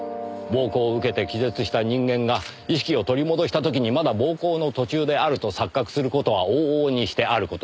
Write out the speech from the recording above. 暴行を受けて気絶した人間が意識を取り戻した時にまだ暴行の途中であると錯覚する事は往々にしてある事。